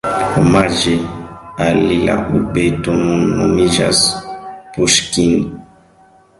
Omaĝe al li la urbeto nun nomiĝas Puŝkin.